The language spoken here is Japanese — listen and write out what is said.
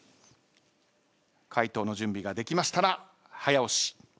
回答の準備ができましたら早押し。